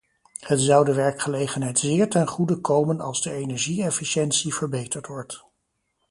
Het zou de werkgelegenheid zeer ten goede komen als de energie-efficiëntie verbeterd wordt.